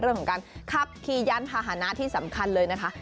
เรื่องของการขับขี่ยานพาหนะที่สำคัญเลยนะคะ